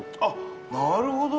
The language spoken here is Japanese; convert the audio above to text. なるほど。